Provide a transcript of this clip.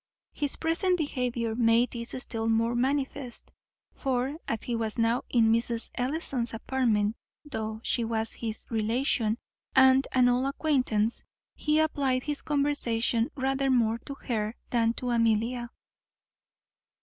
His present behaviour made this still more manifest; for, as he was now in Mrs. Ellison's apartment, though she was his relation and an old acquaintance, he applied his conversation rather more to her than to Amelia.